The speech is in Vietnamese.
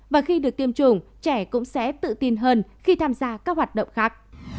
và khi được tiêm chủng trẻ cũng sẽ tự tin hơn khi tham gia các hoạt động khác